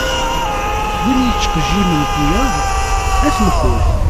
Win yettqejjimen deg wiyaḍ, ad t-mḥuɣ.